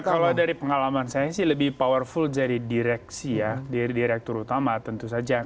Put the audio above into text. kalau dari pengalaman saya sih lebih powerful dari direksi ya dari direktur utama tentu saja